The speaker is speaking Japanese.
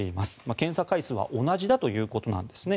検査回数は同じだということなんですね。